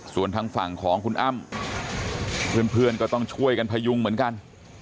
ส่วนทางฝั่งของคุณอ้ำเพื่อนก็ต้องช่วยกันพยุงเหมือนกัน